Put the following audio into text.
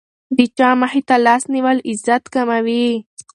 د چا مخې ته لاس نیول عزت کموي.